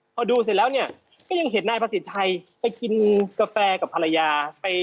พอดูเสร็จแล้วเนี่ยก็ยังเห็นนายประสิทธิ์ชัยไปกินกาแฟกับภรรยา